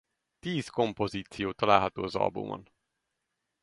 Tíz kompozíció található az albumon.